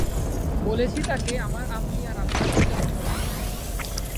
বলেছি তাকে আমার আম্মি আর আব্বার সাথে কথা বলতে হবে।